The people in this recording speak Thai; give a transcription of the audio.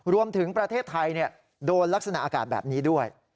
รวมถึงประเทศไทยโดนลักษณะอากาศแบบนี้ด้วย